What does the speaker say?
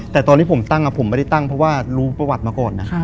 แต่ตอนที่ผมตั้งผมไม่ได้ตั้งเพราะว่ารู้ประวัติมาก่อนนะ